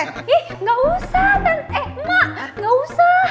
ih gak usah tante eh emak gak usah